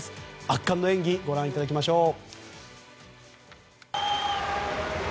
圧巻の演技ご覧いただきましょう。